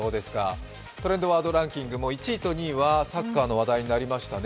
トレンドワードランキングも１位と２位はサッカーの話題になりましたね。